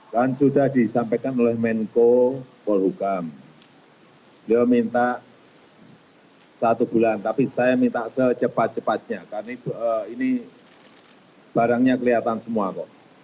dan sudah disampaikan oleh menkopol hukam dia minta satu bulan tapi saya minta secepat cepatnya karena ini barangnya kelihatan semua kok